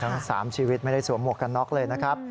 ทั้ง๓ชีวิตไม่ได้สวมหมวกกันน็อกเลยนะครับ